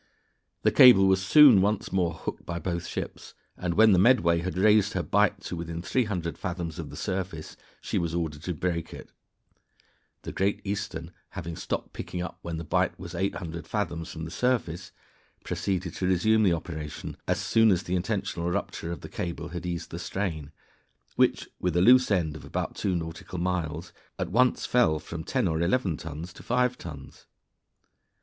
The cable was soon once more hooked by both ships, and when the Medway had raised her bight to within 300 fathoms of the surface she was ordered to break it. The Great Eastern having stopped picking up when the bight was 800 fathoms from the surface, proceeded to resume the operation as soon as the intentional rupture of the cable had eased the strain, which, with a loose end of about two nautical miles, at once fell from 10 or 11 tons to 5 tons.